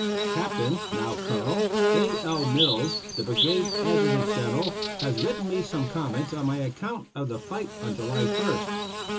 Captain (now Colonel) A. L. Mills, the Brigade Adjutant General, has written me some comments on my account of the fight on July 1st.